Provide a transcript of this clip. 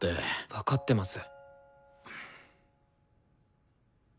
分かってます。